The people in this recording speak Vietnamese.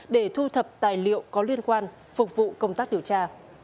để thu thập tài liệu có liên quan phục vụ công tác điều tra